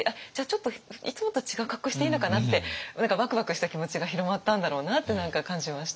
ちょっといつもと違う格好していいのかなって何かワクワクした気持ちが広まったんだろうなって感じました。